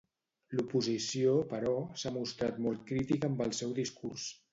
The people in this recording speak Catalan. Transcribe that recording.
L'oposició, però, s'ha mostrat molt crítica amb el seu discurs.